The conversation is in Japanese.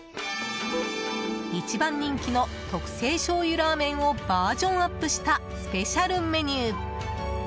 一番人気の特製醤油ラーメンをバージョンアップしたスペシャルメニュー。